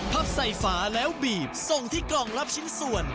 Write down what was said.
หาแล้วบีบส่งที่กล่องรับชิ้นส่วน